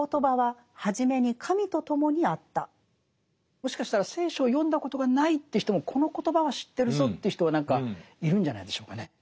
もしかしたら聖書を読んだことがないという人もこの言葉は知ってるぞという人は何かいるんじゃないでしょうかね。